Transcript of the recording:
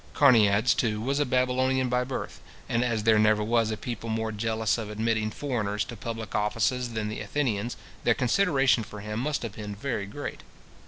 Carneades, too, was a Babylonian by birth; and as there never was a people more jealous of admitting foreigners to public offices than the Athenians, their consideration for him must have been very great.